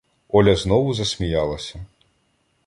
Оля знову засміялася.